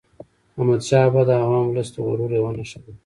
احمدشاه بابا د افغان ولس د غرور یوه نښه وه.